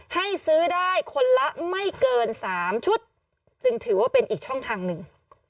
ให้ซื้อได้คนละไม่เกิน๓ชุดจึงถือว่าเป็นอีกช่องทางหนึ่ง